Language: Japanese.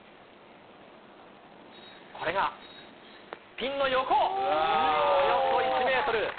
これがピンの横およそ１メートル。